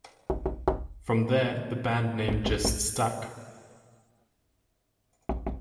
From there, the band name just stuck.